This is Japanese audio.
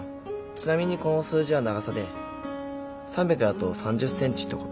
ちなみにこの数字は長さで３００だと３０センチってこと。